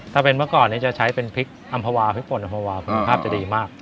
ถ้าเป็นเมื่อก่อนนี้จะใช้เป็นพริกอำภาวาพริกป่นอำภาวาคุณภาพจะดีมาก